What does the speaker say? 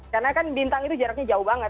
karena kan bintang itu jaraknya jauh banget